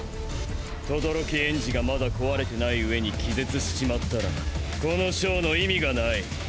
轟炎司がまだ壊れてない上に気絶しちまったらこのショーの意味がない。